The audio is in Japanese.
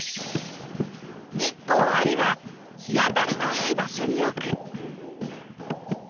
「日光あり」は日当たりのいい場所に置く。